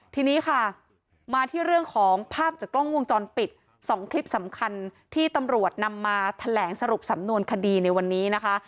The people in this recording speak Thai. ทีนี้ค่ะมาที่เรื่องของภาพจากกล้องวงจรปิด๒คลิปสำคัญที่ตำรวจนำมาแถลงสรุปสำนวนคดีในวันนี้นะคะ